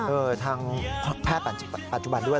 ทางแพทย์ปัจจุบันด้วย